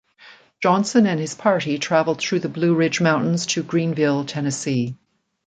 Johnson and his party traveled through the Blue Ridge Mountains to Greeneville, Tennessee.